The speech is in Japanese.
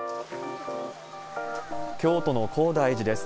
京都の高台寺です。